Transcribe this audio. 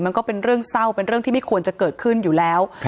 มันก็เป็นเรื่องเศร้าเป็นเรื่องที่ไม่ควรจะเกิดขึ้นอยู่แล้ว